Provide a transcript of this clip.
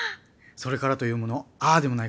それからというものああでもない